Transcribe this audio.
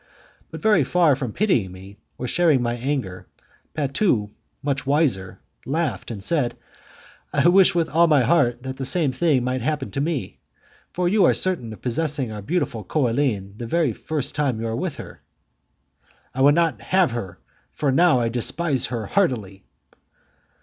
But very far from pitying me or sharing my anger, Patu, much wiser, laughed and said, "I wish with all my heart that the same thing might happen to me; for you are certain of possessing our beautiful Coraline the very first time you are with her." "I would not have her, for now I despise her heartily."